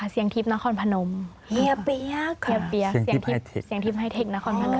เสียงทิพย์ไฮเทค